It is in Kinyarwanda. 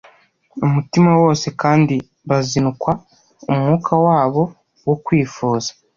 umutima wose kandi bazinukwa umwuka wabo wo kwifuza.